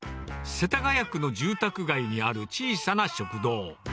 世田谷区の住宅街にある小さな食堂。